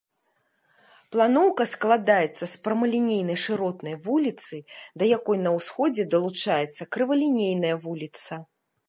Планоўка складаецца з прамалінейнай шыротнай вуліцы, да якой на ўсходзе далучаецца крывалінейная вуліца.